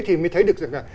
thì mới thấy được rằng là